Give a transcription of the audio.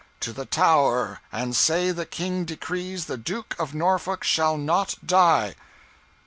To the Tower, and say the King decrees the Duke of Norfolk shall not die!"